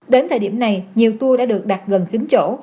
đến thời điểm này nhiều tour đã được đặt gần chín chỗ